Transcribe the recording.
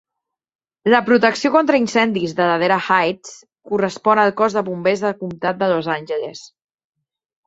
La protecció contra incendis de Ladera Heights correspon al cos de bombers del comtat de Los Angeles.